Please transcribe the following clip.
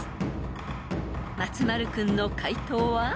［松丸君の解答は？］